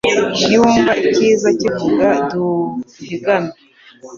niwumva ikiza kivuga duuu ! Uhigame